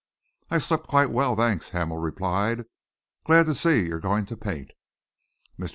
"I slept quite well, thanks," Hamel replied. "Glad to see you're going to paint." Mr.